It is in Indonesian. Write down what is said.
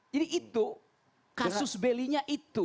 jadi itu kasus belinya itu